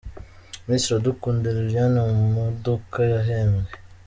Miss Iradukunda Liliane mu modoka yahembwe.